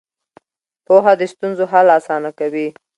پوهه د ستونزو حل اسانه کوي.